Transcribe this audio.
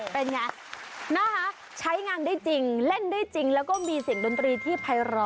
เป็นไงนะคะใช้งานได้จริงเล่นได้จริงแล้วก็มีเสียงดนตรีที่ภัยร้อ